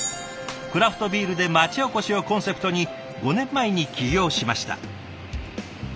クラフトビールで町おこしをコンセプトに５年前に起業しました。